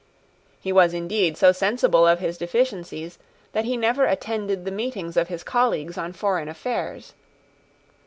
He was indeed so sensible of his deficiencies that he never attended the meetings of his colleagues on foreign affairs.